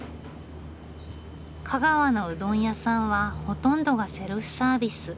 香川のうどん屋さんはほとんどがセルフサービス。